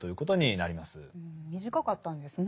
短かったんですね。